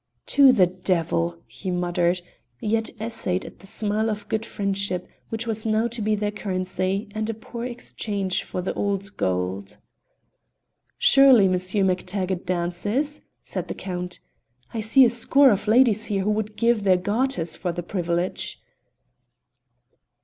"To the devil!" he muttered, yet essayed at the smile of good friendship which was now to be their currency, and a poor exchange for the old gold. "Surely Monsieur MacTaggart dances?" said the Count; "I see a score of ladies here who would give their garters for the privilege."